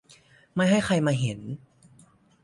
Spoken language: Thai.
ไม่ให้ใครมาเห็น